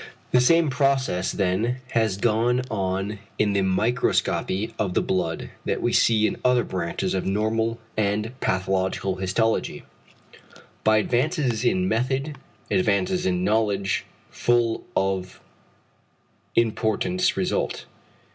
The same process, then, has gone on in the microscopy of the blood that we see in other branches of normal and pathological histology: by advances in method, advances in knowledge full of importance result.